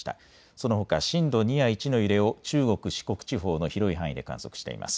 そのほか震度２や１の揺れを中国、四国地方の広い範囲で観測しています。